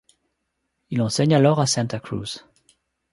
Il enseigne alors à Santa Cruz.